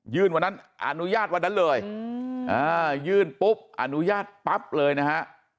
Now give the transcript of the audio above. วันนั้นอนุญาตวันนั้นเลยยื่นปุ๊บอนุญาตปั๊บเลยนะฮะ